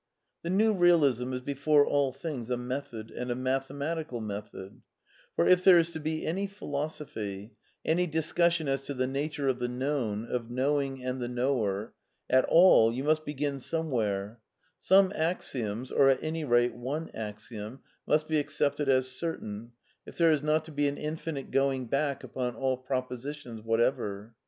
The New Eealism is before all things a method, and a mathematical method* For, if there is to be any philos ophy — any discussion as to the nature of the known, of knowing and the knower — at all, you must begin some where; some axioms, or at any rate one axiom, must be accepted as certain, if there is not to be an infinite going back upon all propositions whatever.